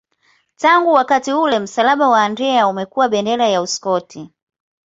Tangu wakati ule msalaba wa Andrea umekuwa bendera ya Uskoti.